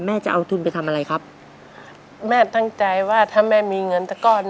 แม่จะเอาทุนไปทำอะไรแม่ทังใจว่าถ้าแม่มีเงิน